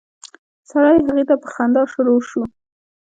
سړی هغې ته په خندا شروع شو.